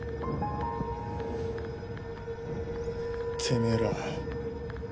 てめえら。